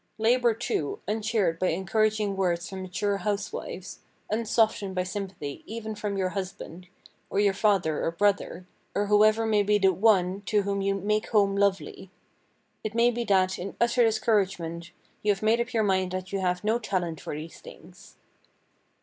Labor, too, uncheered by encouraging words from mature housewives, unsoftened by sympathy even from your husband, or your father or brother, or whoever may be the "one" to whom you "make home lovely." It may be that, in utter discouragement, you have made up your mind that you have "no talent for these things."